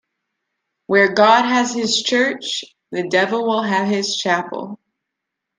Where God has his church, the devil will have his chapel.